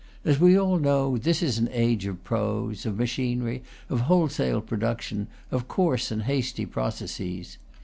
As we all know, this is an age of prose, of machinery, of wholesale production, of coarse and hasty processes.